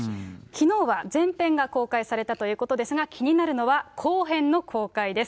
きのうは全編が公開されたということですが、気になるのは後編の公開です。